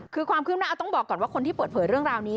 คือความคืบหน้าเอาต้องบอกก่อนว่าคนที่เปิดเผยเรื่องราวนี้